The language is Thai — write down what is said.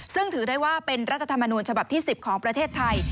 ซึ่งถือได้ว่าเป็นรัฐธรรมนูญฉบับที่๑๐ของประเทศไทย